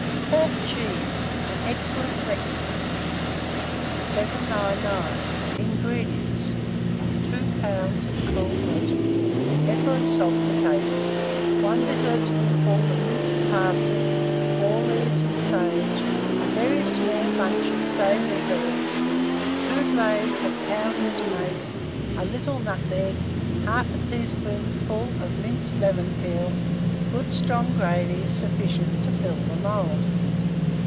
PORK CHEESE (an Excellent Breakfast Dish). 799. INGREDIENTS. 2 lbs. of cold roast pork, pepper and salt to taste, 1 dessertspoonful of minced parsley, 4 leaves of sage, a very small bunch of savoury herbs, 2 blades of pounded mace, a little nutmeg, 1/2 teaspoonful of minced lemon peel; good strong gravy, sufficient to fill the mould.